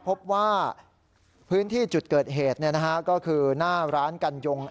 พบว่าพื้นที่จุดเกิดเหตุก็คือหน้าร้านกันยง